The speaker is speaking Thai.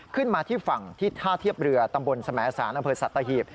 ขึ้นมาที่ฝั่งที่ท่าเทียบเรือตำบลสมแสนอเวิร์ดสัตว์ตะหีบ